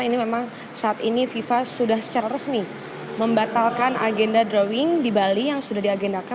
ini memang saat ini fifa sudah secara resmi membatalkan agenda drawing di bali yang sudah diagendakan